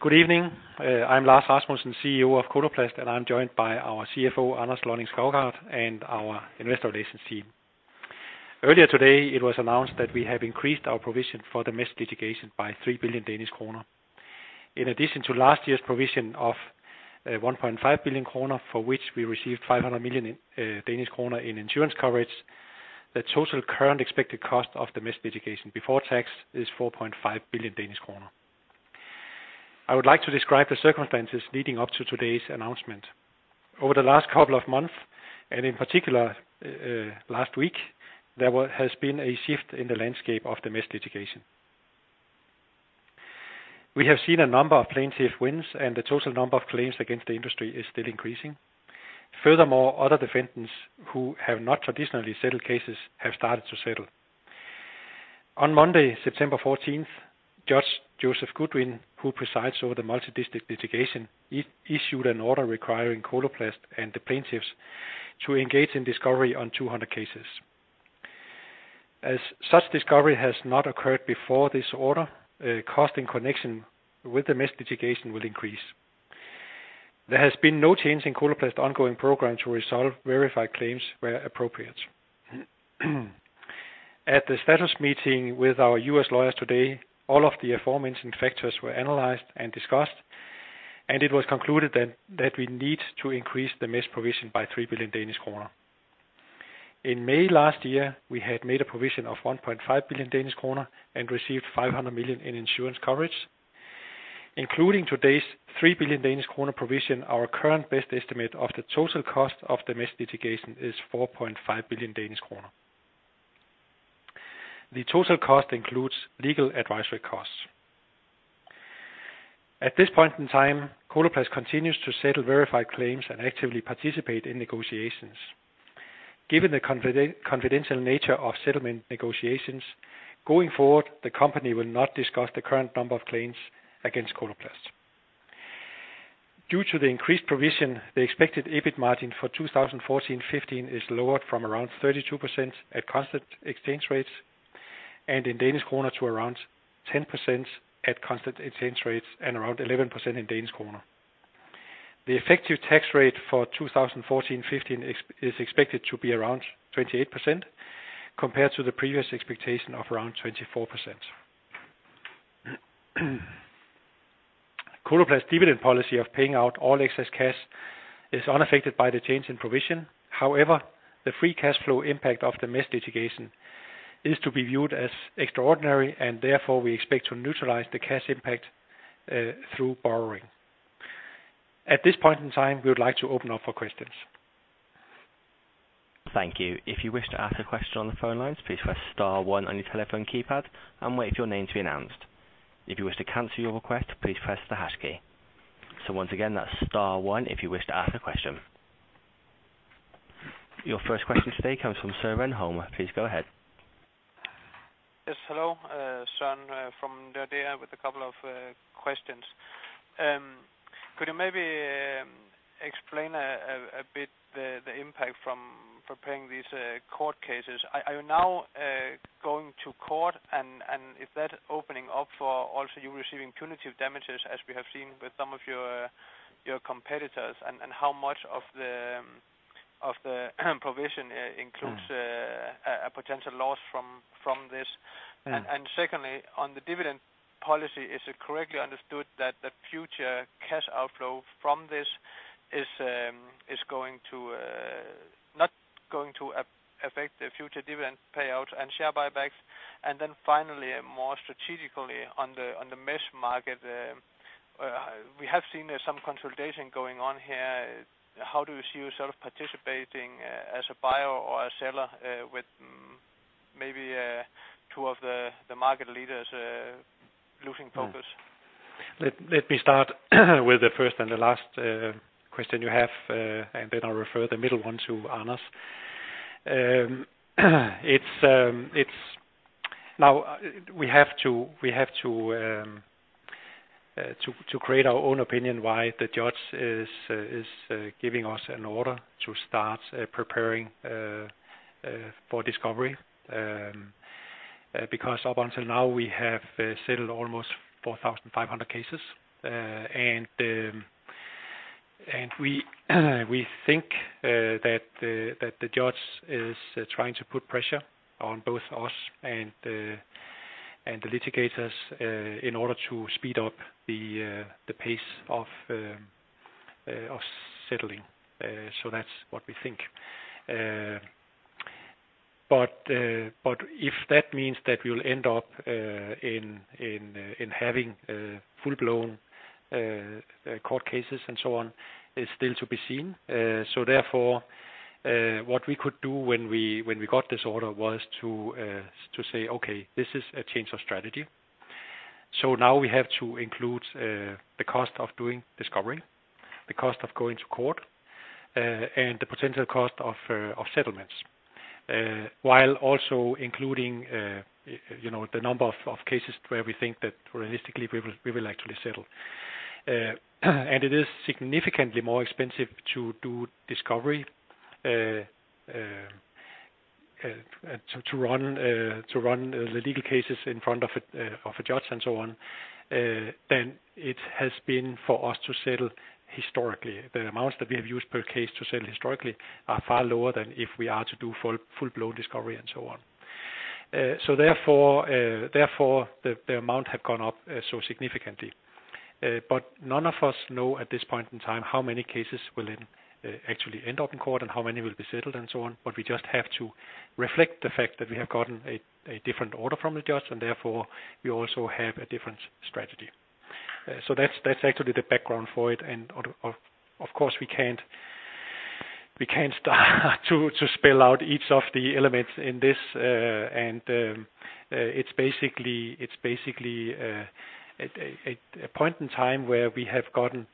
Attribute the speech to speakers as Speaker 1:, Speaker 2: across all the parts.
Speaker 1: Good evening. I'm Lars Rasmussen, CEO of Coloplast, and I'm joined by our CFO, Anders Lønning-Schougaard, and our investor relations team. Earlier today, it was announced that we have increased our provision for the mesh litigation by 3 billion Danish kroner. In addition to last year's provision of 1.5 billion kroner, for which we received 500 million Danish kroner in insurance coverage, the total current expected cost of the mesh litigation before tax is 4.5 billion Danish kroner. I would like to describe the circumstances leading up to today's announcement. Over the last couple of months, and in particular, last week, there has been a shift in the landscape of the mesh litigation. We have seen a number of plaintiff wins, and the total number of claims against the industry is still increasing. Furthermore, other defendants who have not traditionally settled cases have started to settle. On Monday, September 14th, Judge Joseph Goodwin, who presides over the multidistrict litigation, issued an order requiring Coloplast and the plaintiffs to engage in discovery on 200 cases. As such, discovery has not occurred before this order, cost in connection with the mesh litigation will increase. There has been no change in Coloplast's ongoing program to resolve verified claims where appropriate. At the status meeting with our U.S. lawyers today, all of the aforementioned factors were analyzed and discussed, and it was concluded that we need to increase the mesh provision by 3 billion Danish kroner. In May last year, we had made a provision of 1.5 billion Danish kroner, and received 500 million in insurance coverage. Including today's 3 billion Danish kroner provision, our current best estimate of the total cost of the mesh litigation is 4.5 billion Danish kroner. The total cost includes legal advisory costs. At this point in time, Coloplast continues to settle verified claims and actively participate in negotiations. Given the confidential nature of settlement negotiations, going forward, the company will not discuss the current number of claims against Coloplast. Due to the increased provision, the expected EBIT margin for 2014, 2015 is lowered from around 32% at constant exchange rates, and in Danish kroner to around 10% at constant exchange rates and around 11% in Danish kroner. The effective tax rate for 2014, 2015 is expected to be around 28% compared to the previous expectation of around 24%. Coloplast's dividend policy of paying out all excess cash is unaffected by the change in provision. The free cash flow impact of the mesh litigation is to be viewed as extraordinary, and therefore, we expect to neutralize the cash impact through borrowing. At this point in time, we would like to open up for questions.
Speaker 2: Thank you. If you wish to ask a question on the phone lines, please press star one on your telephone keypad and wait for your name to be announced. If you wish to cancel your request, please press the hash key. Once again, that's star one if you wish to ask a question. Your first question today comes from Søren Holm. Please go ahead.
Speaker 3: Yes, hello, Søren, from Nordea, with a couple of questions. Could you maybe explain a bit the impact from preparing these court cases? Are you now going to court, and is that opening up for also you receiving punitive damages, as we have seen with some of your competitors? How much of the provision includes a potential loss from this?
Speaker 1: Mm-hmm.
Speaker 3: Secondly, on the dividend policy, is it correctly understood that the future cash outflow from this is going to not going to affect the future dividend payout and share buybacks? Finally, more strategically on the mesh market, we have seen there's some consolidation going on here. How do you see yourself participating as a buyer or a seller with maybe two of the market leaders losing focus?
Speaker 1: Let me start with the first and the last question you have, and then I'll refer the middle one to Anders. It's. Now, we have to create our own opinion why the judge is giving us an order to start preparing for discovery. Up until now we have settled almost 4,500 cases, and we think that the judge is trying to put pressure on both us and the litigators in order to speed up the pace of settling. That's what we think. If that means that we'll end up in having full-blown court cases and so on, is still to be seen. Therefore, what we could do when we got this order was to say, "Okay, this is a change of strategy." Now we have to include the cost of doing discovery, the cost of going to court, and the potential cost of settlements, while also including, you know, the number of cases where we think that realistically we will actually settle. It is significantly more expensive to do discovery. to run the legal cases in front of a judge and so on, it has been for us to settle historically. The amounts that we have used per case to settle historically are far lower than if we are to do full-blown discovery, and so on. Therefore, the amount have gone up so significantly. None of us know at this point in time, how many cases will then actually end up in court and how many will be settled, and so on. We just have to reflect the fact that we have gotten a different order from the judge, and therefore, we also have a different strategy. That's actually the background for it, and of course, we can't start to spell out each of the elements in this. It's basically a point in time where we have gotten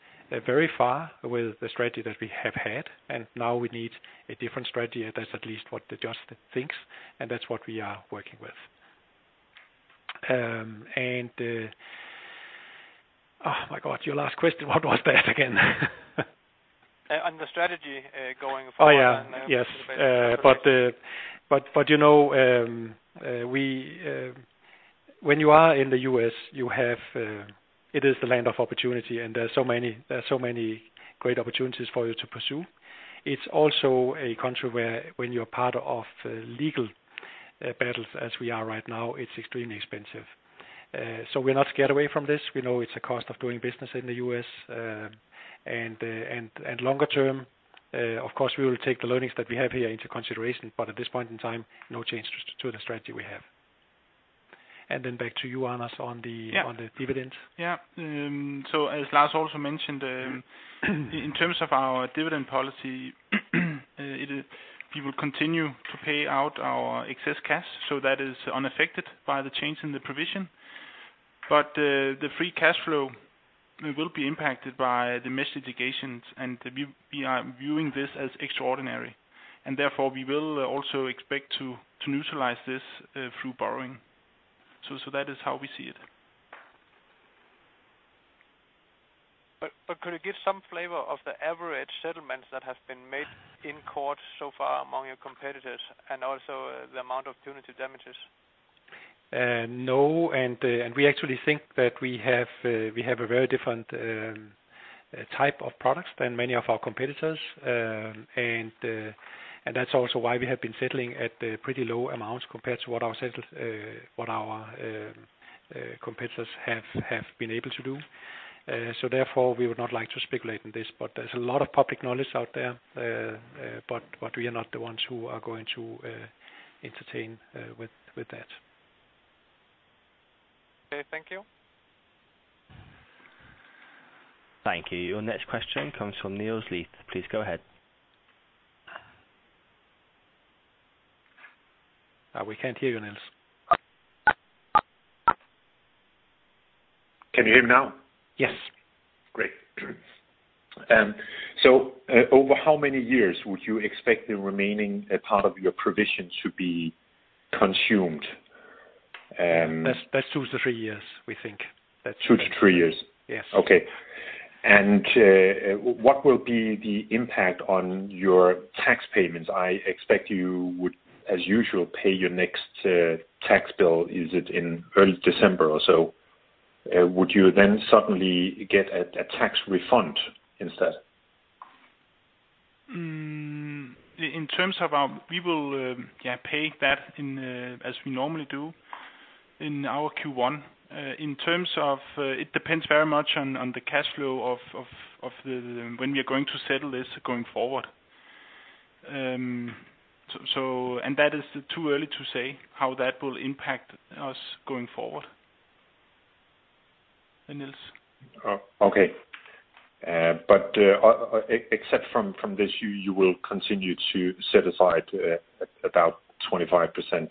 Speaker 1: very far with the strategy that we have had, and now we need a different strategy. That's at least what the judge thinks, and that's what we are working with. Oh, my God, your last question, what was that again?
Speaker 3: On the strategy, going forward?
Speaker 1: Oh, yeah. Yes.
Speaker 3: Basically.
Speaker 1: You know, we, when you are in the U.S., you have, it is the land of opportunity, and there are so many great opportunities for you to pursue. It's also a country where, when you're part of legal battles, as we are right now, it's extremely expensive. We're not scared away from this. We know it's a cost of doing business in the U.S. Longer term, of course, we will take the learnings that we have here into consideration, but at this point in time, no change to the strategy we have. Then back to you, Anders, on the-
Speaker 4: Yeah.
Speaker 1: On the dividends.
Speaker 4: Yeah. As Lars also mentioned, in terms of our dividend policy, we will continue to pay out our excess cash, so that is unaffected by the change in the provision. The free cash flow will be impacted by the mesh litigations, and we are viewing this as extraordinary, and therefore, we will also expect to neutralize this through borrowing. That is how we see it.
Speaker 3: Could you give some flavor of the average settlements that have been made in court so far among your competitors, and also the amount of punitive damages?
Speaker 1: No, we actually think that we have a very different type of products than many of our competitors. That's also why we have been settling at pretty low amounts compared to what our competitors have been able to do. Therefore, we would not like to speculate on this, but there's a lot of public knowledge out there. We are not the ones who are going to entertain with that.
Speaker 3: Okay, thank you.
Speaker 2: Thank you. Your next question comes from Niels Leth. Please go ahead.
Speaker 1: We can't hear you, Niels.
Speaker 5: Can you hear me now?
Speaker 1: Yes.
Speaker 5: Great. Over how many years would you expect the remaining part of your provision to be consumed?
Speaker 1: That's two to three years, we think.
Speaker 5: Two to three years?
Speaker 1: Yes.
Speaker 5: Okay. what will be the impact on your tax payments? I expect you would, as usual, pay your next tax bill, is it in early December or so? would you then suddenly get a tax refund instead?
Speaker 4: In terms of we will, yeah, pay that in as we normally do in our Q1. In terms of it depends very much on the cash flow of the when we are going to settle this going forward. So that is too early to say how that will impact us going forward. Niels?
Speaker 5: Oh, okay. Except from this, you will continue to set aside about 25%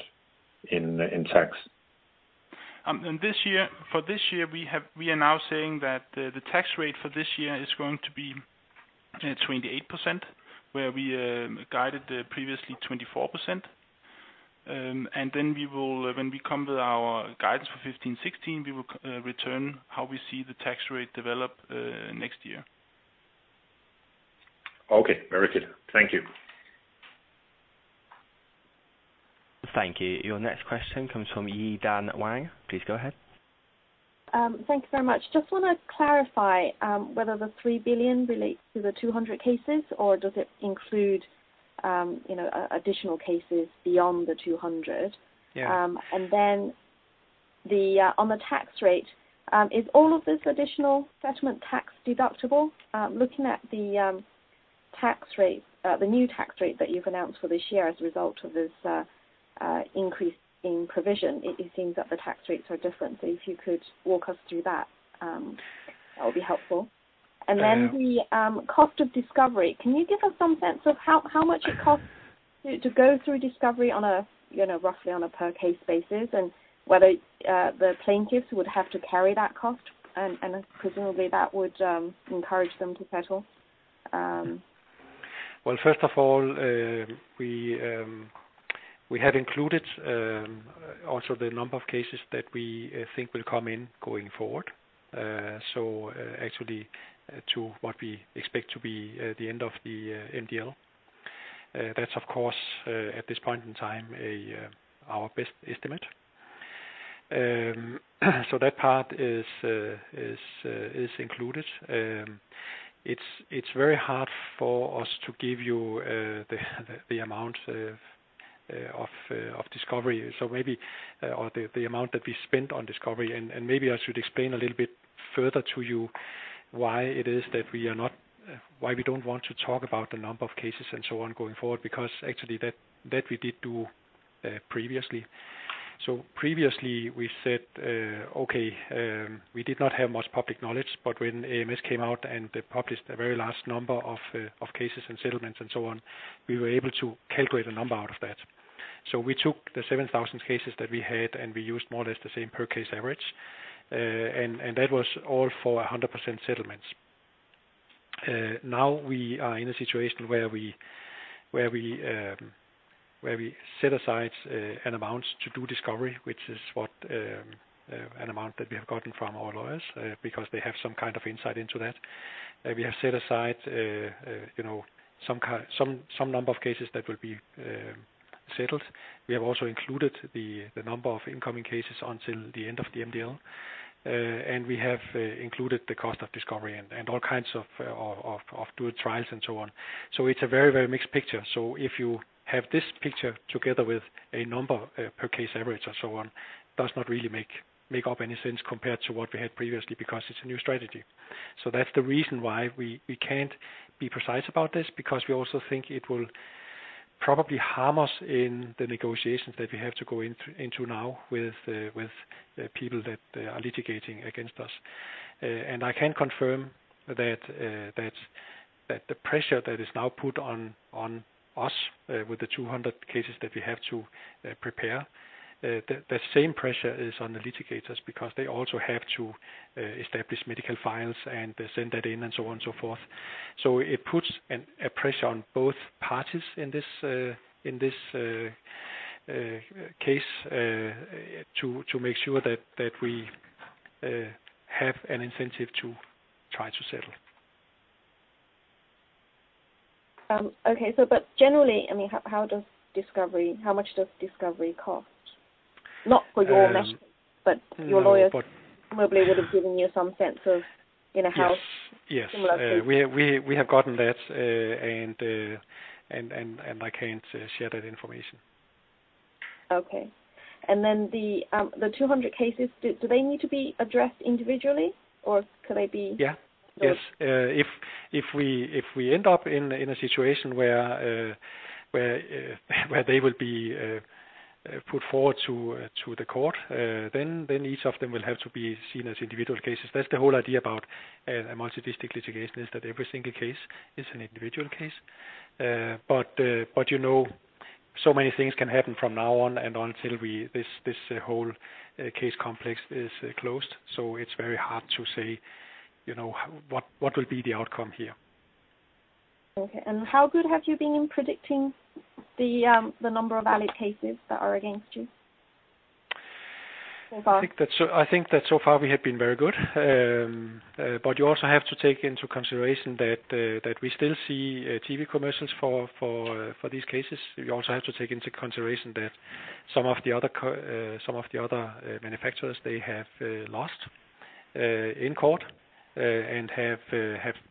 Speaker 5: in tax?
Speaker 4: This year, for this year, we are now saying that the tax rate for this year is going to be 28%, where we guided the previously 24%. We will, when we come with our guidance for 2015, 2016, we will return how we see the tax rate develop next year.
Speaker 5: Okay, very good. Thank you.
Speaker 2: Thank you. Your next question comes from Yi-Dan Wang. Please go ahead.
Speaker 6: Thank you so much. Just wanna clarify, whether the 3 billion relates to the 200 cases, or does it include, you know, additional cases beyond the 200?
Speaker 1: Yeah.
Speaker 6: Then the on the tax rate, is all of this additional settlement tax deductible? Looking at the tax rate, the new tax rate that you've announced for this year as a result of this increase in provision, it seems that the tax rates are different. If you could walk us through that would be helpful.
Speaker 1: Yeah.
Speaker 6: Then the cost of discovery, can you give us some sense of how much it costs to go through discovery on a, you know, roughly on a per case basis? Whether the plaintiffs would have to carry that cost, and then presumably that would encourage them to settle?
Speaker 1: First of all, we have included also the number of cases that we think will come in going forward. Actually, to what we expect to be the end of the MDL. That's of course, at this point in time, our best estimate. That part is included. It's very hard for us to give you the amount of discovery. Maybe, or the amount that we spent on discovery, and maybe I should explain a little bit further to you why it is that we are not, why we don't want to talk about the number of cases and so on going forward, because actually that we did do previously. Previously, we said, we did not have much public knowledge, but when AMS came out and they published a very large number of cases and settlements and so on, we were able to calculate a number out of that. We took the 7,000 cases that we had, and we used more or less the same per case average. That was all for 100% settlements. Now we are in a situation where we set aside an amount to do discovery, which is what an amount that we have gotten from our lawyers, because they have some kind of insight into that. We have set aside, you know, some number of cases that will be settled. We have also included the number of incoming cases until the end of the MDL, and we have included the cost of discovery and all kinds of doing trials and so on. It's a very, very mixed picture. If you have this picture together with a number per case average and so on, does not really make up any sense compared to what we had previously, because it's a new strategy. That's the reason why we can't be precise about this, because we also think it will probably harm us in the negotiations that we have to go into now with the people that are litigating against us. I can confirm that the pressure that is now put on us, with the 200 cases that we have to prepare, the same pressure is on the litigators because they also have to establish medical files and send that in, and so on and so forth. It puts a pressure on both parties in this case, to make sure that we have an incentive to try to settle.
Speaker 6: Okay, generally, I mean, how much does discovery cost? Not for your mesh, but your lawyers probably would have given you some sense of, you know, how…
Speaker 1: Yes. Yes.
Speaker 6: Similar things.
Speaker 1: We have gotten that, and I can't share that information.
Speaker 6: Okay. Then the 200 cases, do they need to be addressed individually or could they be-
Speaker 1: Yeah. Yes. If we end up in a situation where they will be put forward to the court, then each of them will have to be seen as individual cases. That's the whole idea about a multidistrict litigation, is that every single case is an individual case. But, you know, so many things can happen from now on, and until this whole case complex is closed, so it's very hard to say, you know, what will be the outcome here.
Speaker 6: Okay. How good have you been in predicting the number of valid cases that are against you so far?
Speaker 1: I think that so far we have been very good. You also have to take into consideration that we still see TV commercials for these cases. We also have to take into consideration that some of the other manufacturers, they have lost in court and have,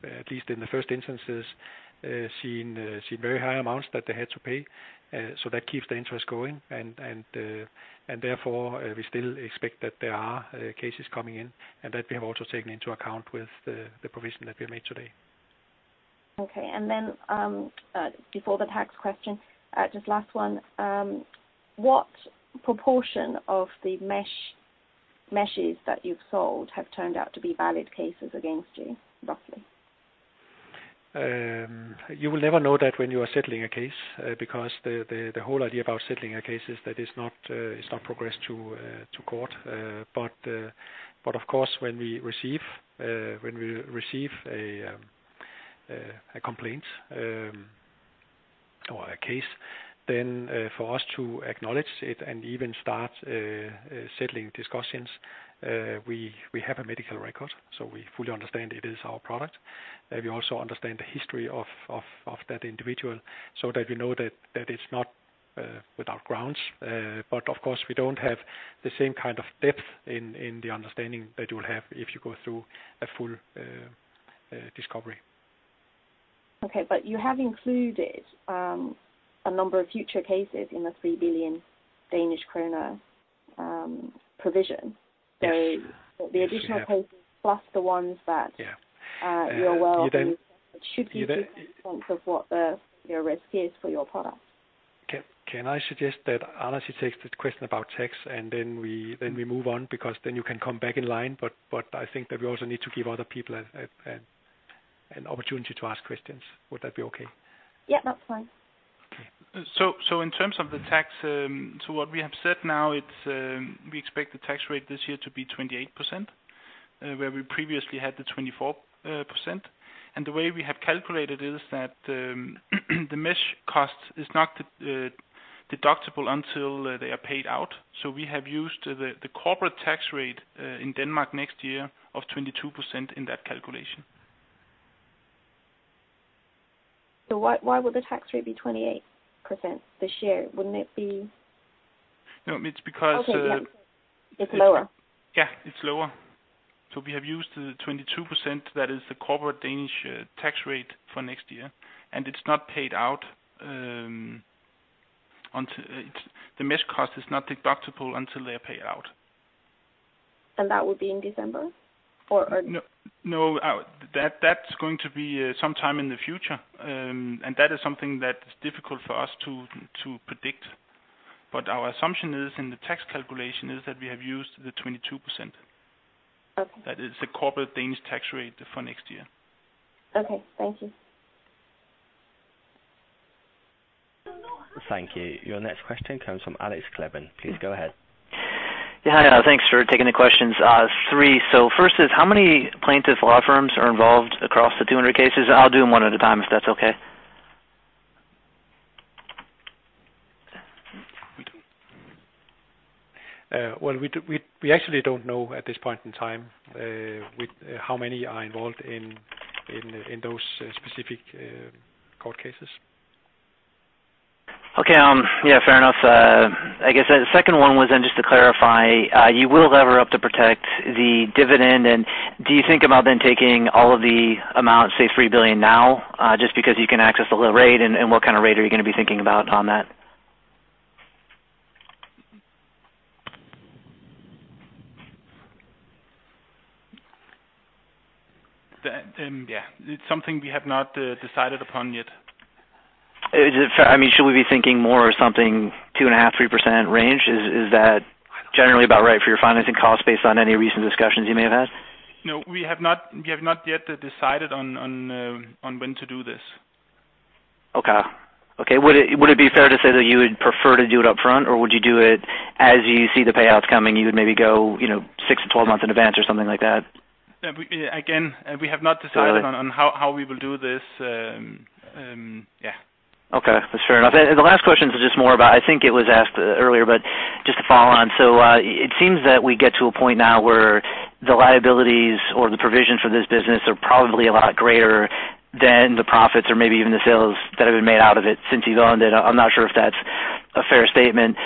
Speaker 1: at least in the first instances, seen very high amounts that they had to pay. That keeps the interest going, and therefore, we still expect that there are cases coming in, and that we have also taken into account with the provision that we made today.
Speaker 6: Okay. Before the tax question, just last one. What proportion of the meshes that you've sold have turned out to be valid cases against you, roughly?
Speaker 1: You will never know that when you are settling a case, because the whole idea about settling a case is that it's not progressed to court. Of course, when we receive a complaint, or a case, then, for us to acknowledge it and even start settling discussions, we have a medical record, so we fully understand it is our product. We also understand the history of that individual, so that we know that it's not without grounds. Of course, we don't have the same kind of depth in the understanding that you will have if you go through a full discovery.
Speaker 6: Okay, you have included a number of future cases in the 3 billion Danish kroner provision.
Speaker 1: Yes.
Speaker 6: The additional cases, plus the ones that.
Speaker 1: Yeah.
Speaker 6: you're well-
Speaker 1: You
Speaker 6: Should give you a sense of what the, your risk is for your product.
Speaker 1: Can I suggest that Anders, he takes the question about tax, and then we move on, because then you can come back in line, but I think that we also need to give other people an opportunity to ask questions. Would that be okay?
Speaker 6: Yeah, that's fine.
Speaker 1: Okay.
Speaker 4: In terms of the tax, what we have said now, it's, we expect the tax rate this year to be 28%, where we previously had the 24%. The way we have calculated is that the mesh cost is not deductible until they are paid out. We have used the corporate tax rate in Denmark next year of 22% in that calculation.
Speaker 6: .Why would the tax rate be 28% this year?
Speaker 4: No, it's because.
Speaker 6: Okay, yeah. It's lower.
Speaker 4: Yeah, it's lower. We have used the 22%, that is the corporate Danish tax rate for next year, and it's not paid out, until the mesh cost is not deductible until they are paid out.
Speaker 6: That will be in December?
Speaker 4: No, no, that's going to be sometime in the future. That is something that is difficult for us to predict, but our assumption is, in the tax calculation, is that we have used the 22%.
Speaker 6: Okay.
Speaker 1: That is the corporate Danish tax rate for next year.
Speaker 6: Okay, thank you.
Speaker 2: Thank you. Your next question comes from Alex Kleban. Please go ahead.
Speaker 7: Yeah, hi, thanks for taking the questions. Three, first is, how many plaintiff law firms are involved across the 200 cases? I'll do them one at a time, if that's okay.
Speaker 1: Well, we actually don't know at this point in time, how many are involved in those specific court cases.
Speaker 7: Okay, yeah, fair enough. I guess the second one was then just to clarify, you will lever up to protect the dividend. Do you think about then taking all of the amounts, say, 3 billion now, just because you can access the low rate? What kind of rate are you gonna be thinking about on that?
Speaker 1: The, yeah, it's something we have not decided upon yet.
Speaker 7: Is it fair, I mean, should we be thinking more or something, 2.5%-3% range? Is that generally about right for your financing costs based on any recent discussions you may have had?
Speaker 1: No, we have not yet decided on when to do this.
Speaker 7: Okay. Okay, would it be fair to say that you would prefer to do it upfront? Or would you do it as you see the payouts coming, you would maybe go, you know, 6-12 months in advance or something like that?
Speaker 1: Yeah, we, again, we have not decided on how we will do this.
Speaker 7: Okay, that's fair enough. The last question is just more about, I think it was asked earlier, but just to follow on: It seems that we get to a point now where the liabilities or the provision for this business are probably a lot greater than the profits or maybe even the sales that have been made out of it since you've owned it. I'm not sure if that's a fair statement.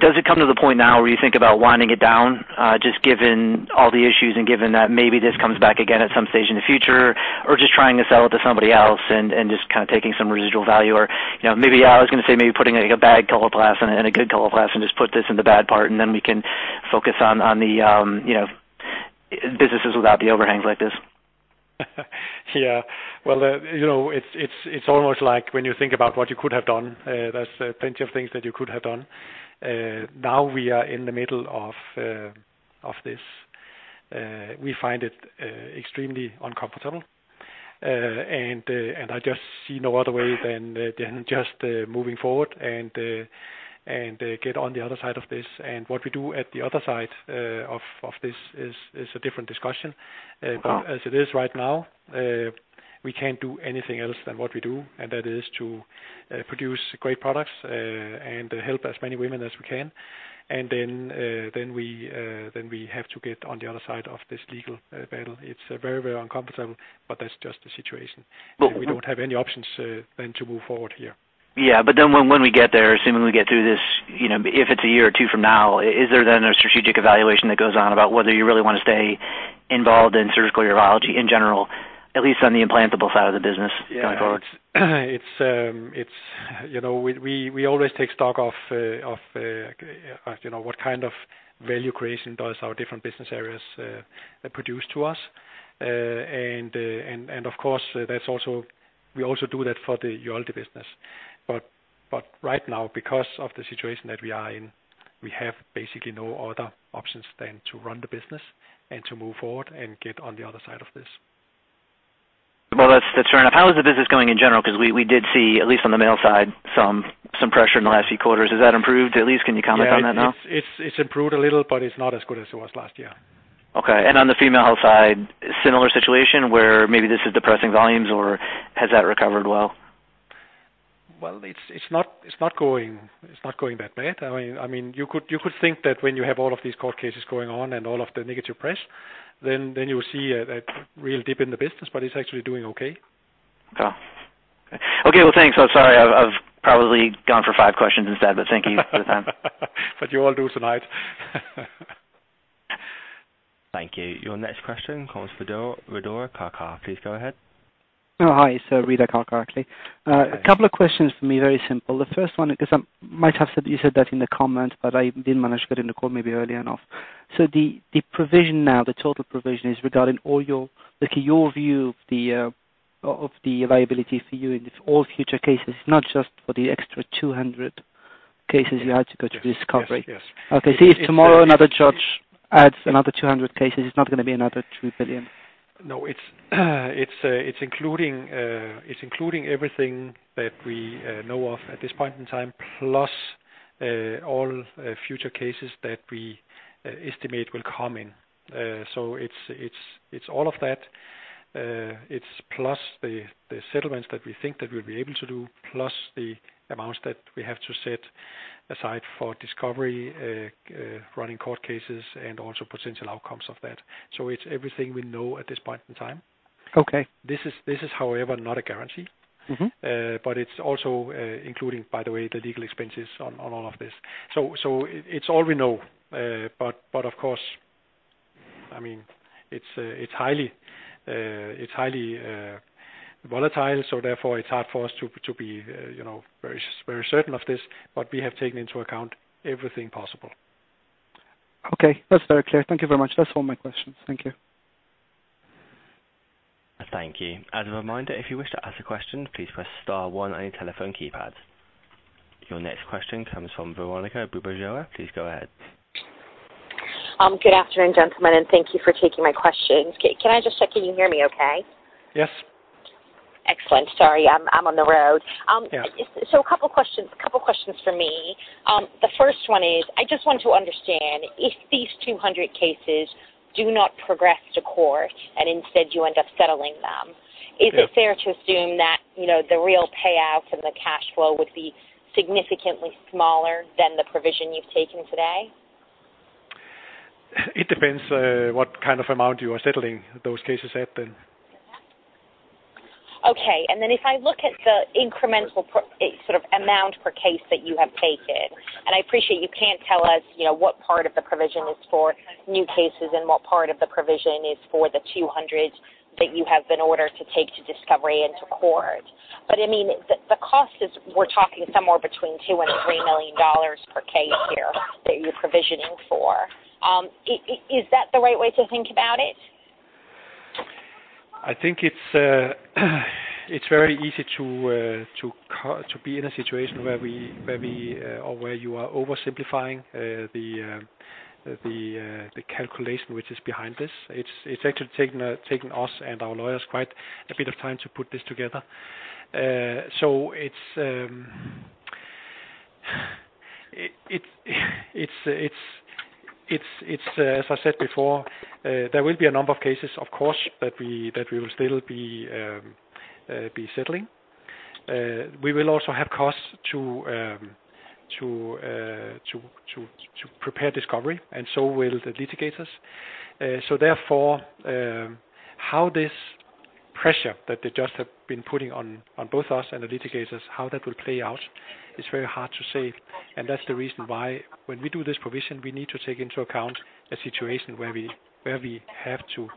Speaker 7: Does it come to the point now where you think about winding it down, just given all the issues and given that maybe this comes back again at some stage in the future, or just trying to sell it to somebody else and just kind of taking some residual value? You know, maybe I was gonna say, maybe putting, like, a bad color glass and a good color glass, and just put this in the bad part, and then we can focus on the, you know, businesses without the overhang like this.
Speaker 1: Yeah. Well, you know, it's almost like when you think about what you could have done, there's plenty of things that you could have done. Now we are in the middle of this, we find it extremely uncomfortable. I just see no other way than just moving forward and get on the other side of this. What we do at the other side of this is a different discussion. As it is right now, we can't do anything else than what we do, and that is to produce great products, and help as many women as we can. Then we have to get on the other side of this legal battle. It's very, very uncomfortable, but that's just the situation.
Speaker 7: Well-
Speaker 1: We don't have any options, than to move forward here.
Speaker 7: When we get there, assuming we get through this, you know, if it's a year or two from now, is there then a strategic evaluation that goes on about whether you really want to stay involved in surgical urology in general, at least on the implantable side of the business going forward?
Speaker 1: Yeah. It's, it's, you know, we always take stock of, you know, what kind of value creation does our different business areas produce to us? Of course, we also do that for the urology business. Right now, because of the situation that we are in, we have basically no other options than to run the business and to move forward and get on the other side of this.
Speaker 7: That's fair enough. How is the business going in general? We did see, at least on the male side, some pressure in the last few quarters. Has that improved, at least? Can you comment on that now?
Speaker 1: Yeah, it's improved a little, but it's not as good as it was last year.
Speaker 7: Okay. On the female side, similar situation, where maybe this is depressing volumes, or has that recovered well?
Speaker 1: Well, it's not going that bad. I mean, you could think that when you have all of these court cases going on and all of the negative press, then you will see a real dip in the business, but it's actually doing okay.
Speaker 7: Oh, okay. Okay, well, thanks. Sorry, I've probably gone for five questions instead, but thank you for the time.
Speaker 1: You all do tonight.
Speaker 2: Thank you. Your next question comes from Riddhim Karkera. Please go ahead.
Speaker 8: Oh, hi. Riddhim Karkera, actually.
Speaker 2: Thanks.
Speaker 8: A couple of questions for me, very simple. The first one, because I might have said you said that in the comments, but I didn't manage to get in the call maybe early enough. The provision now, the total provision, is regarding all your, like, your view of the liability for you in this all future cases, not just for the extra 200 cases you had to go to discovery?
Speaker 1: Yes, yes.
Speaker 8: Okay. If tomorrow, another judge adds another 200 cases, it's not gonna be another $2 billion?
Speaker 1: It's including everything that we know of at this point in time, plus all future cases that we estimate will come in. It's all of that. It's plus the settlements that we think that we'll be able to do, plus the amounts that we have to set aside for discovery, running court cases and also potential outcomes of that. It's everything we know at this point in time.
Speaker 6: Okay.
Speaker 1: This is, however, not a guarantee.
Speaker 6: Mm-hmm.
Speaker 1: It's also, including, by the way, the legal expenses on all of this. It's all we know. Of course, I mean, it's highly volatile, so therefore, it's hard for us to be, you know, very certain of this, but we have taken into account everything possible.
Speaker 6: Okay. That's very clear. Thank you very much. That's all my questions. Thank you.
Speaker 2: Thank you. As a reminder, if you wish to ask a question, please press star one on your telephone keypad. Your next question comes from Veronika Dubajova. Please go ahead.
Speaker 9: Good afternoon, gentlemen, and thank you for taking my questions. Can I just check, can you hear me okay?
Speaker 1: Yes.
Speaker 9: Excellent. Sorry, I'm on the road.
Speaker 1: Yeah.
Speaker 9: A couple questions for me. The first one is, I just want to understand, if these 200 cases do not progress to court and instead you end up settling them.
Speaker 1: Yeah.
Speaker 9: Is it fair to assume that, you know, the real payouts and the cash flow would be significantly smaller than the provision you've taken today?
Speaker 1: It depends, what kind of amount you are settling those cases at then.
Speaker 9: If I look at the incremental sort of amount per case that you have taken, and I appreciate you can't tell us, you know, what part of the provision is for new cases and what part of the provision is for the 200 that you have been ordered to take to discovery and to court. I mean, the cost is we're talking somewhere between $2 million-$3 million per case here, that you're provisioning for. Is that the right way to think about it?
Speaker 1: I think it's very easy to be in a situation where we, where we, or where you are oversimplifying the calculation, which is behind this. It's actually taken us and our lawyers quite a bit of time to put this together. It's, as I said before, there will be a number of cases, of course, that we will still be settling. We will also have costs to prepare discovery, and so will the litigators. Therefore, how this pressure that the judge have been putting on both us and the litigators, how that will play out, is very hard to say. That's the reason why when we do this provision, we need to take into account a situation where we have to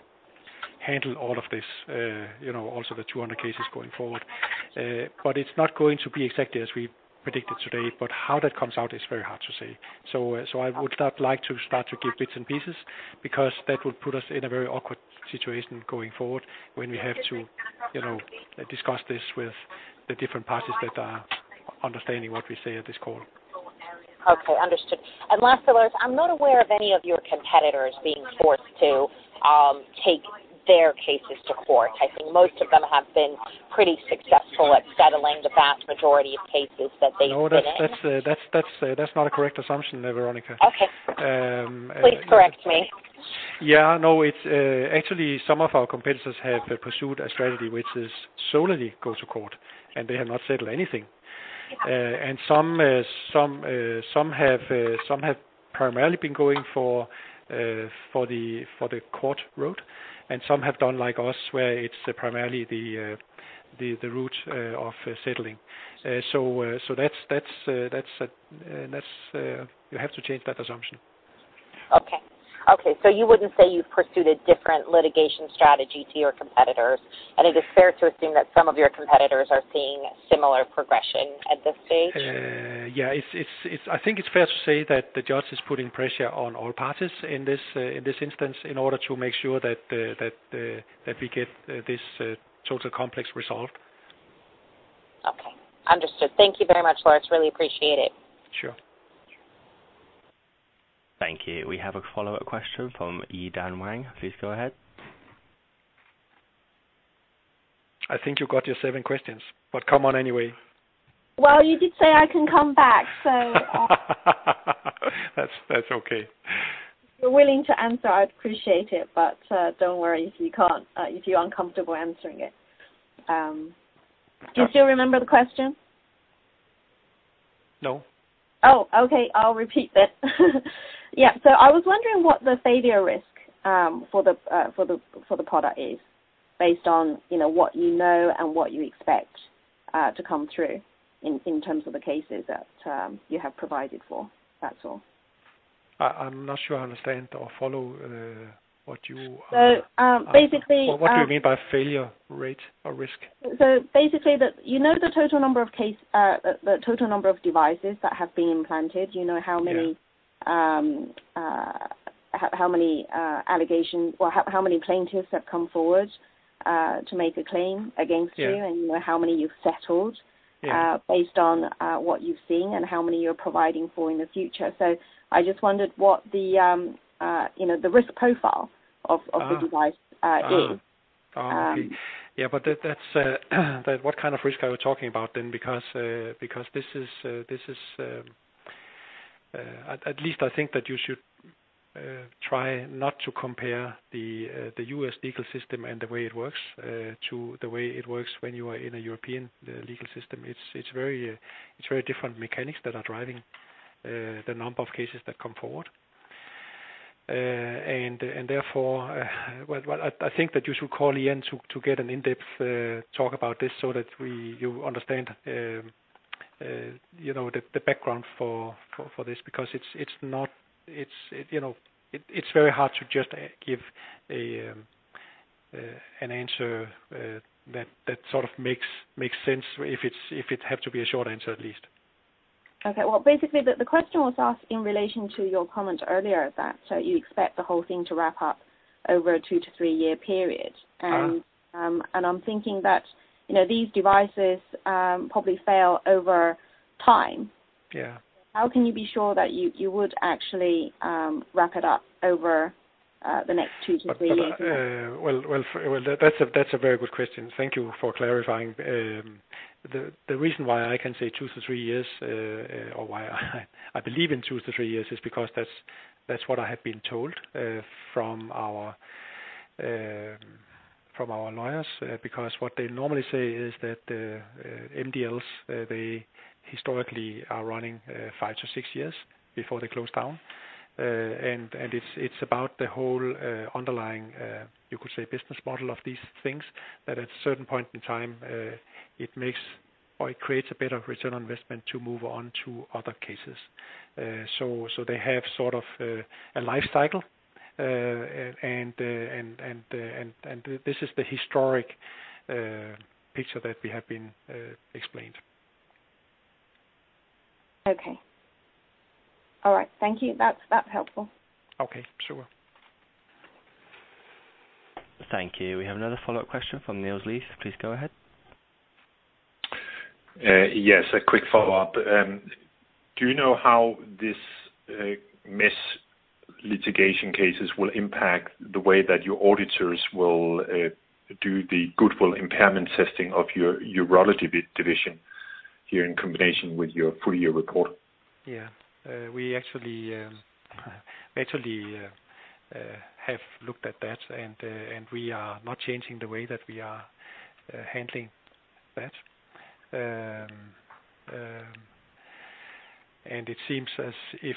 Speaker 1: handle all of this, you know, also the 200 cases going forward. It's not going to be exactly as we predicted today, but how that comes out is very hard to say. I would not like to start to give bits and pieces because that would put us in a very awkward situation going forward, when we have to, you know, discuss this with the different parties that are understanding what we say at this call.
Speaker 9: Okay, understood. Last, Lars, I'm not aware of any of your competitors being forced to take their cases to court. I think most of them have been pretty successful at settling the vast majority of cases that they've been in.
Speaker 1: No, that's not a correct assumption, though, Veronica.
Speaker 9: Okay.
Speaker 1: Um, uh-
Speaker 9: Please correct me.
Speaker 1: Yeah, no, it's, actually, some of our competitors have pursued a strategy which is solely go to court, and they have not settled anything. Some have primarily been going for the court route, and some have done like us, where it's primarily the route of settling. That's. You have to change that assumption.
Speaker 9: Okay. Okay, you wouldn't say you've pursued a different litigation strategy to your competitors. It is fair to assume that some of your competitors are seeing similar progression at this stage?
Speaker 1: Yeah, I think it's fair to say that the judge is putting pressure on all parties in this instance, in order to make sure that we get this total complex resolved.
Speaker 9: Okay, understood. Thank you very much, Lars. Really appreciate it.
Speaker 1: Sure.
Speaker 2: Thank you. We have a follow-up question from Yi-Dan Wang. Please go ahead.
Speaker 1: I think you got your seven questions, but come on anyway.
Speaker 6: You did say I can come back, so.
Speaker 1: That's okay.
Speaker 6: If you're willing to answer, I'd appreciate it, but, don't worry if you can't, if you're uncomfortable answering it. Do you still remember the question?
Speaker 1: No.
Speaker 6: Okay. I'll repeat it. I was wondering what the failure risk for the product is, based on, you know, what you know and what you expect to come through in terms of the cases that you have provided for. That's all.
Speaker 1: I'm not sure I understand or follow, what you...
Speaker 6: basically,
Speaker 1: What do you mean by failure rate or risk?
Speaker 6: Basically, you know the total number of devices that have been implanted, you know how many...
Speaker 1: Yeah.
Speaker 6: How many allegations or how many plaintiffs have come forward to make a claim against you-
Speaker 1: Yeah.
Speaker 6: You know how many you've settled.
Speaker 1: Yeah
Speaker 6: based on, what you've seen and how many you're providing for in the future. I just wondered what the, you know, the risk profile.
Speaker 1: Ah!
Speaker 6: of the device, is.
Speaker 1: Okay.
Speaker 6: Um-
Speaker 1: That's what kind of risk are we talking about then? Because this is, at least I think that you should try not to compare the U.S. legal system and the way it works to the way it works when you are in a European legal system. It's very, very different mechanics that are driving the number of cases that come forward. Therefore, I think that you should call Ian to get an in-depth talk about this so that you understand, you know, the background for this. It's, you know, it's very hard to just give an answer that sort of makes sense if it have to be a short answer, at least.
Speaker 6: Okay. Well, basically, the question was asked in relation to your comment earlier that you expect the whole thing to wrap up over a two- to three-year period.
Speaker 1: Uh-huh.
Speaker 6: I'm thinking that, you know, these devices probably fail over time.
Speaker 1: Yeah.
Speaker 6: How can you be sure that you would actually wrap it up over the next two-three years?
Speaker 1: Well, well, well, that's a very good question. Thank you for clarifying. The reason why I can say two-three years, or why I believe in two-three years, is because that's what I have been told from our lawyers. What they normally say is that MDLs, they historically are running five-six years before they close down. It's about the whole underlying, you could say, business model of these things, that at a certain point in time, it makes or it creates a better return on investment to move on to other cases. They have sort of, a life cycle, and this is the historic, picture that we have been, explained.
Speaker 6: Okay. All right. Thank you. That's helpful.
Speaker 1: Okay, sure.
Speaker 2: Thank you. We have another follow-up question from Niels Leth. Please go ahead.
Speaker 5: Yes, a quick follow-up. Do you know how this mesh litigation cases will impact the way that your auditors will do the goodwill impairment testing of your urology division here in combination with your full year report?
Speaker 1: Yeah. We actually have looked at that, and we are not changing the way that we are handling that. And it seems as if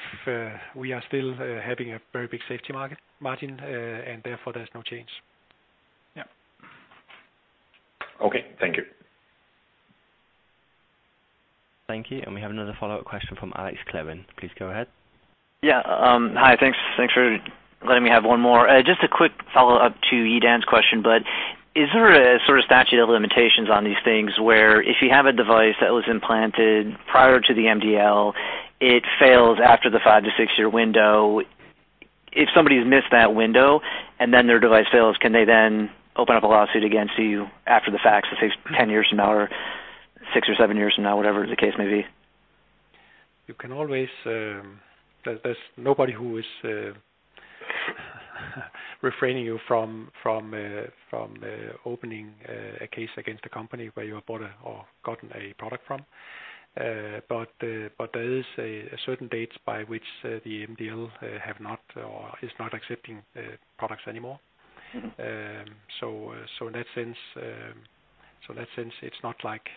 Speaker 1: we are still having a very big safety margin, and therefore there's no change. Yeah.
Speaker 5: Okay, thank you.
Speaker 2: Thank you. We have another follow-up question from Alex Kleban. Please go ahead.
Speaker 7: Hi. Thanks, thanks for letting me have one more. Just a quick follow-up to Yi-Dan's question, is there a sort of statute of limitations on these things, where if you have a device that was implanted prior to the MDL, it fails after the five-six-year window? If somebody's missed that window and then their device fails, can they then open up a lawsuit against you after the fact, let's say 10 years from now or six or seven years from now, whatever the case may be?
Speaker 1: You can always. There's nobody who is refraining you from opening a case against a company where you have bought or gotten a product from. There is a certain date by which the MDL have not or is not accepting products anymore.
Speaker 7: Mm-hmm.
Speaker 1: In that sense, it's not like,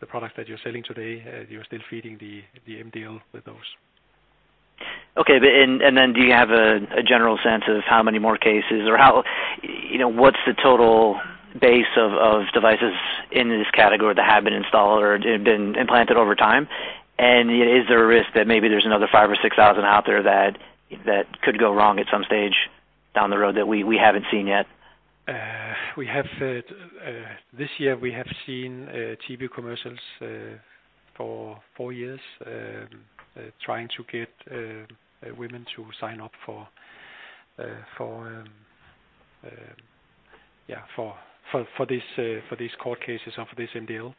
Speaker 1: the product that you're selling today, you're still feeding the MDL with those.
Speaker 7: Do you have a general sense of how many more cases or you know, what's the total base of devices in this category that have been installed or have been implanted over time? Is there a risk that maybe there's another 5, 00 or 6,000 out there that could go wrong at some stage down the road that we haven't seen yet?
Speaker 1: We have this year we have seen TV commercials for four years trying to get women to sign up for yeah, for this for these court cases and for this MDL.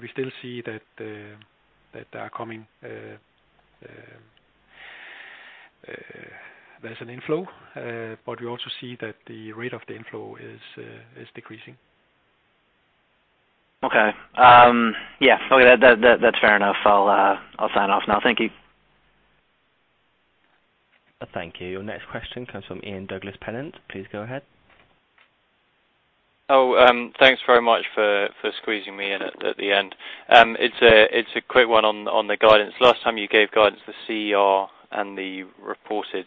Speaker 1: We still see that they are coming there's an inflow but we also see that the rate of the inflow is decreasing.
Speaker 7: Yeah, okay, that's fair enough. I'll sign off now. Thank you.
Speaker 2: Thank you. Your next question comes from Ian Douglas-Pennant. Please go ahead.
Speaker 10: Thanks very much for squeezing me in at the end. It's a quick one on the guidance. Last time you gave guidance, the CER and the reported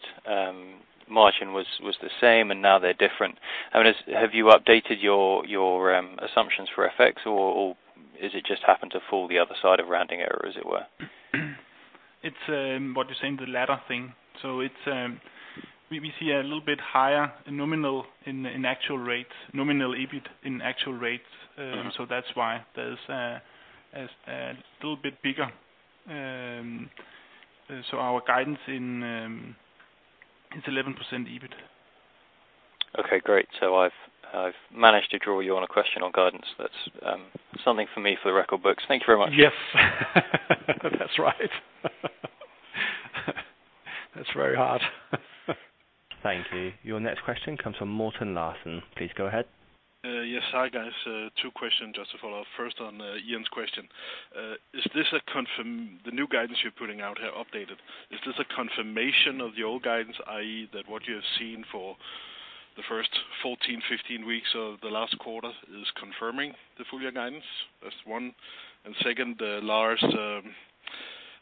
Speaker 10: margin was the same. Now they're different. I mean, have you updated your assumptions for effects, or is it just happened to fall the other side of rounding error, as it were?
Speaker 4: It's, what you're saying, the latter thing. It's, we see a little bit higher nominal in actual rates, nominal EBIT in actual rates.
Speaker 10: Mm-hmm.
Speaker 4: That's why there's a little bit bigger, so our guidance in, it's 11% EBIT.
Speaker 10: Okay, great. I've managed to draw you on a question on guidance. That's something for me for the record books. Thank you very much.
Speaker 4: Yes. That's right. That's very hard.
Speaker 2: Thank you. Your next question comes from Morten Larsen. Please go ahead.
Speaker 11: Yes. Hi, guys. Two questions just to follow up. First, on Ian's question, the new guidance you're putting out here updated, is this a confirmation of the old guidance? I.E., that what you have seen for the first 14, 15 weeks of the last quarter is confirming the full year guidance? That's one. Second,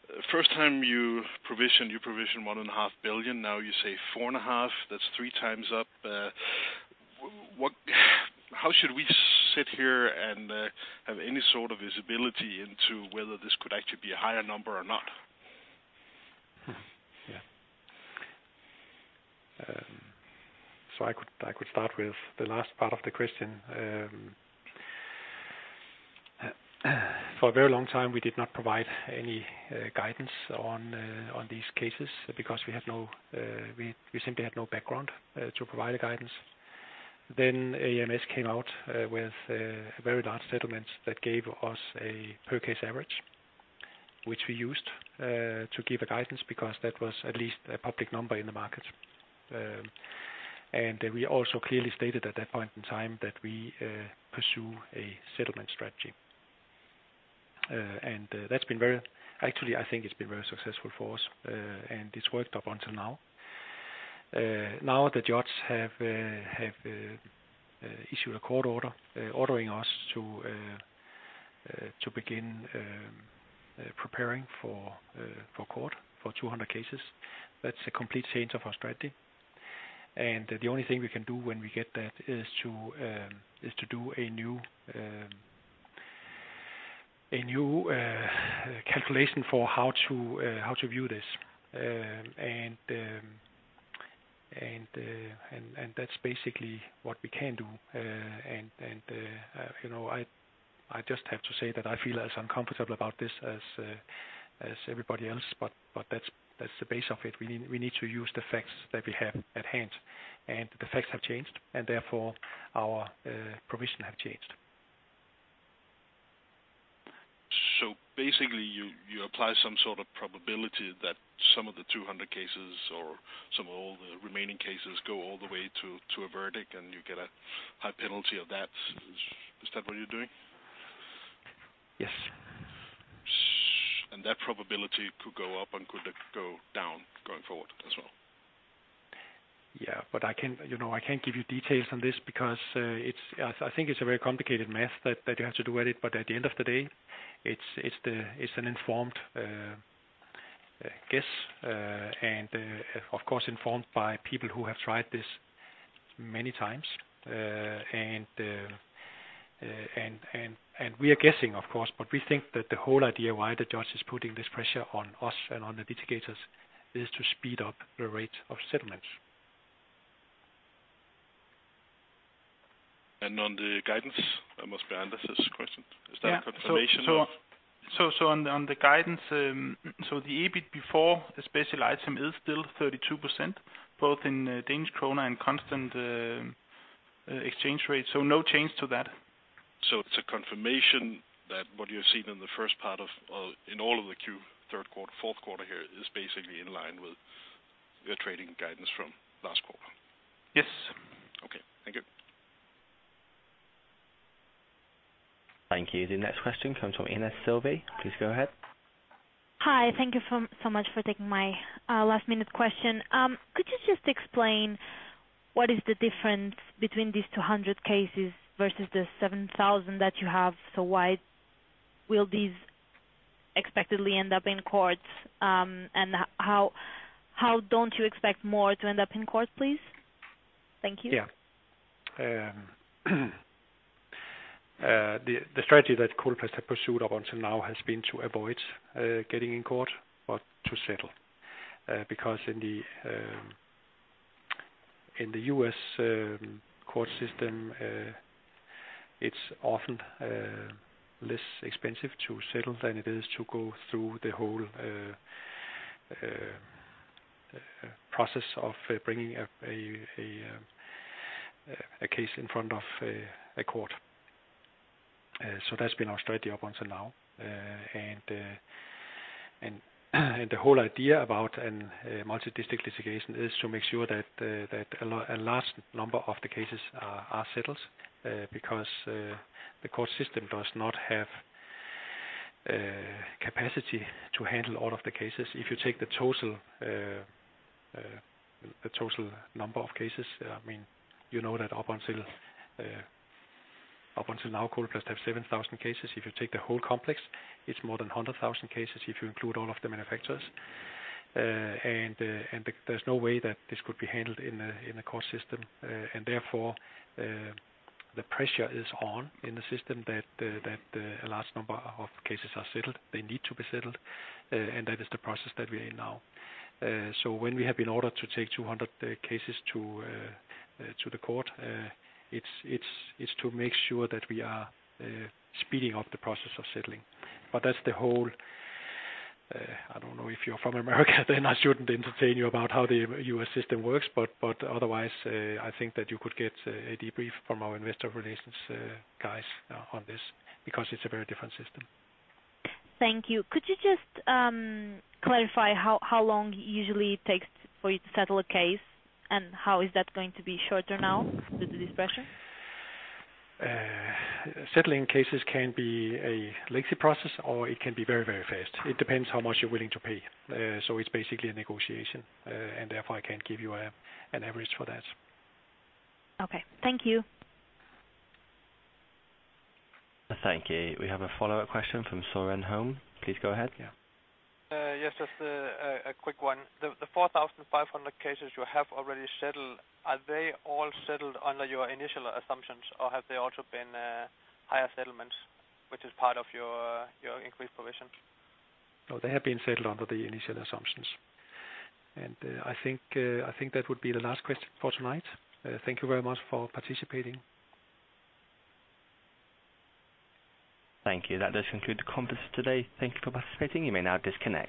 Speaker 11: the large, first time you provision, you provision 1.5 billion, now you say 4.5 billion, that's 3 times up. How should we sit here and have any sort of visibility into whether this could actually be a higher number or not?
Speaker 1: I could start with the last part of the question. For a very long time, we did not provide any guidance on these cases, because we simply had no background to provide a guidance. AMS came out with a very large settlement that gave us a per case average, which we used to give a guidance, because that was at least a public number in the market. We also clearly stated at that point in time, that we pursue a settlement strategy. Actually, I think it's been very successful for us, and it's worked up until now. Now, the judge have issued a court order ordering us to begin preparing for court for 200 cases. That's a complete change of our strategy, and the only thing we can do when we get that is to do a new calculation for how to view this. That's basically what we can do. You know, I just have to say that I feel as uncomfortable about this as everybody else, but that's the base of it. We need to use the facts that we have at hand, and the facts have changed, and therefore, our provision have changed.
Speaker 11: Basically, you apply some sort of probability that some of the 200 cases or some of all the remaining cases go all the way to a verdict, and you get a high penalty of that. Is that what you're doing?
Speaker 1: Yes.
Speaker 11: That probability could go up and could go down, going forward as well?
Speaker 1: I can't, you know, I can't give you details on this because I think it's a very complicated math that you have to do at it. At the end of the day, it's the, it's an informed guess. Of course, informed by people who have tried this many times. We are guessing, of course, but we think that the whole idea why the judge is putting this pressure on us and on the litigators, is to speed up the rate of settlements.
Speaker 11: On the guidance, I must go on with this question.
Speaker 4: Yeah.
Speaker 11: Is that a confirmation of?
Speaker 4: On the guidance, the EBIT before the special item is still 32%, both in Danish krone and constant exchange rate, so no change to that.
Speaker 11: It's a confirmation that what you've seen in the first part of, in all of the Q3 quarter, fourth quarter here, is basically in line with your trading guidance from last quarter?
Speaker 4: Yes.
Speaker 11: Okay. Thank you.
Speaker 2: Thank you. The next question comes from Anne Silvy. Please go ahead.
Speaker 12: Hi. Thank you for, so much for taking my last-minute question. Could you just explain what is the difference between these 200 cases versus the 7,000 that you have? Why will these expectedly end up in court, and how don't you expect more to end up in court, please? Thank you.
Speaker 1: Yeah. The strategy that Coloplast has pursued up until now has been to avoid getting in court, but to settle. Because in the US court system, it's often less expensive to settle than it is to go through the whole process of bringing a case in front of a court. That's been our strategy up until now. The whole idea about a multidistrict litigation is to make sure that a large number of the cases are settled, because the court system does not have capacity to handle all of the cases. If you take the total number of cases, I mean, you know that up until now, Coloplast have 7,000 cases. If you take the whole complex, it's more than 100,000 cases, if you include all of the manufacturers. There's no way that this could be handled in a court system, and therefore, the pressure is on in the system, that a large number of cases are settled. They need to be settled, and that is the process that we are in now. When we have been ordered to take 200 cases to the court, it's to make sure that we are speeding up the process of settling. That's the whole. I don't know, if you're from America, then I shouldn't entertain you about how the U.S. system works, but otherwise, I think that you could get a debrief from our investor relations, guys, on this, because it's a very different system.
Speaker 12: Thank you. Could you just clarify how long usually it takes for you to settle a case? How is that going to be shorter now due to this pressure?
Speaker 1: Settling cases can be a lengthy process or it can be very, very fast. It depends how much you're willing to pay. It's basically a negotiation, and therefore, I can't give you an average for that.
Speaker 12: Okay. Thank you.
Speaker 2: Thank you. We have a follow-up question from Søren Holm. Please go ahead, yeah.
Speaker 3: Yes, just a quick one. The 4,500 cases you have already settled, are they all settled under your initial assumptions, or have they also been higher settlements, which is part of your increased provision?
Speaker 1: No, they have been settled under the initial assumptions. I think that would be the last question for tonight. Thank you very much for participating.
Speaker 2: Thank you. That does conclude the conference today. Thank you for participating. You may now disconnect.